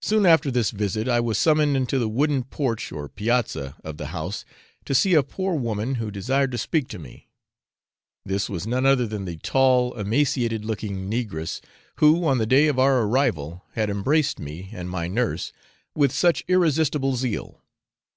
Soon after this visit, I was summoned into the wooden porch or piazza of the house, to see a poor woman who desired to speak to me. This was none other than the tall emaciated looking negress who, on the day of our arrival, had embraced me and my nurse with such irresistible zeal.